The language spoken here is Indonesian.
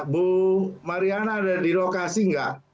bu mariana ada di lokasi nggak